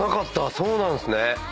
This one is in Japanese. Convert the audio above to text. そうなんすね。